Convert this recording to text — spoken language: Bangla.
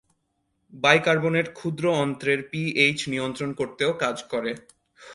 বাইকার্বনেট ক্ষুদ্র অন্ত্রের পিএইচ নিয়ন্ত্রণ করতেও কাজ করে।